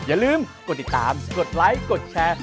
อย่าลืมกดติดตามกดไลค์กดแชร์